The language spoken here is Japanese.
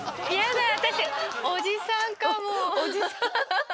おじさん。